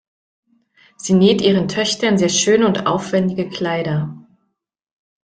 Sie näht ihren Töchtern sehr schöne und aufwendige Kleider.